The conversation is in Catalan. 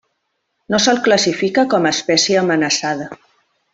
No se'l classifica com a espècie amenaçada.